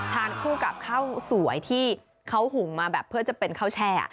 ทานคู่กับข้าวสวยที่เขาหุงมาแบบเพื่อจะเป็นข้าวแช่